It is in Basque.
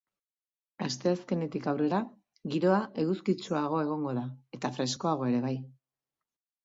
Asteazkenetik aurrera, giroa eguzkitsuago egongo da, eta freskoago ere bai.